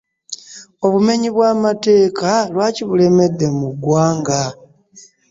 Obumenyi bw'amateeka lwaki bulemedde mu ggwanga.